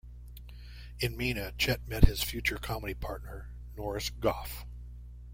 In Mena, Chet met his future comedy partner Norris Goff.